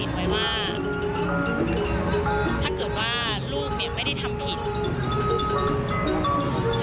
ก็แช่งด้วย